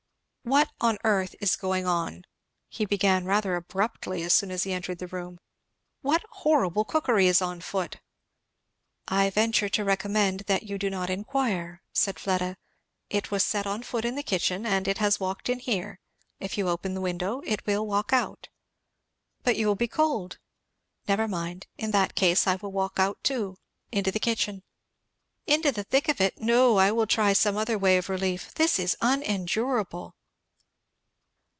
"What on earth is going on!" he began rather abruptly as soon as he entered the room. "What horrible cookery is on foot?" "I venture to recommend that you do not inquire," said Fleda. "It was set on foot in the kitchen and it has walked in here. If you open the window it will walk out." "But you will be cold?" "Never mind in that case I will walk out too, into the kitchen." "Into the thick of it! No I will try some other way of relief. This is unendurable!"